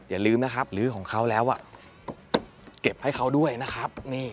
อย่าลืมนะครับลื้อของเขาแล้วเก็บให้เขาด้วยนะครับ